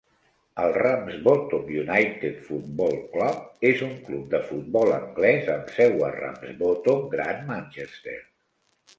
El Ramsbottom United Football Club és un club de futbol anglès amb seu a Ramsbottom, Gran Manchester.